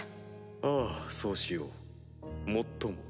ああそうしようもっとも。